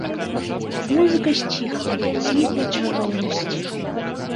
Музыка сціхла, знікла чароўнасць.